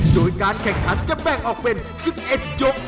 โดยการแข่งขันจะแบ่งออกเป็น๑๑ยก